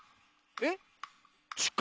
えっ？